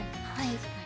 確かに。